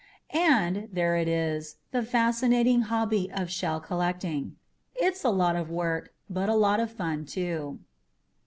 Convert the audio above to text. .. .And there it is, the fascinating hobby of shell collecting. It's a lot of work but a lot of fun, too.